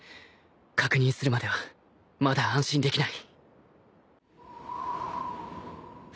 確認するまではまだ安心できない。